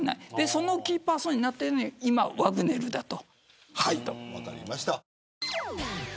そのキーパーソンになっているのがワグネルだと。